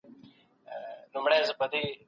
دوی د پوهې په ارزښت پوهېدل.